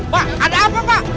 pak ada apa pak